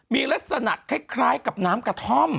มีลักษณะคล้ายกับน้ำกระท่อม